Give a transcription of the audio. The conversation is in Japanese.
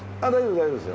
大丈夫ですよ。